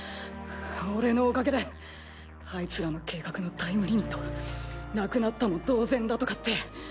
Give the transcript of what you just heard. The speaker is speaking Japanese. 俺のおかげでアイツらの計画のタイムリミットはなくなったも同然だとかって。